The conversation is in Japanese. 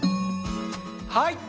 はい。